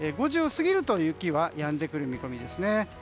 ５時を過ぎると雪がやんでくる見込みですね。